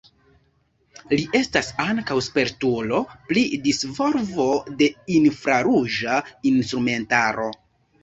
Li estas ankaŭ spertulo pri disvolvo de infraruĝa instrumentaro.